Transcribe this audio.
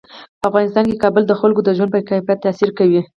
په افغانستان کې کابل د خلکو د ژوند په کیفیت تاثیر کوي.